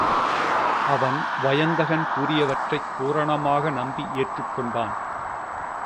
அவன் வயந்தகன் கூறியவற்றைப் பூரணமாக நம்பி ஏற்றுக்கொண்டான்.